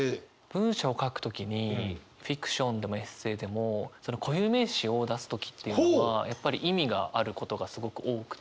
文章を書く時にフィクションでもエッセーでも固有名詞を出す時っていうのはやっぱり意味があることがすごく多くて。